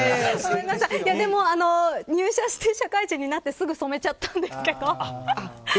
でも入社して、社会人になってすぐ染めちゃったんですけど。